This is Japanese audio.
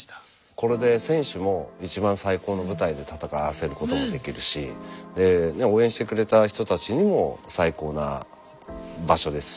これで選手も一番最高の舞台で戦わせることもできるし応援してくれた人たちにも最高な場所ですし。